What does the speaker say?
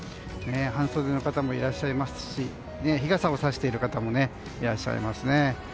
半袖の方もいらっしゃいますし日傘をさしている方もいらっしゃいますね。